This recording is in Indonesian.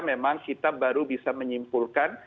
memang kita baru bisa menyimpulkan